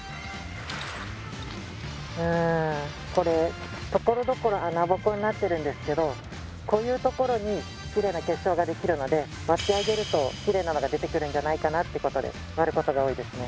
うんこれところどころ穴ぼこになってるんですけどこういうところにキレイな結晶ができるので割ってあげるとキレイなのが出てくるんじゃないかなってことで割ることが多いですね。